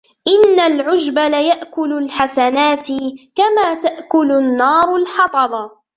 إنَّ الْعُجْبَ لَيَأْكُلُ الْحَسَنَاتِ كَمَا تَأْكُلُ النَّارُ الْحَطَبَ